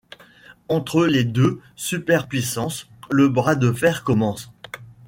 Entre les deux superpuissances, le bras de fer commence...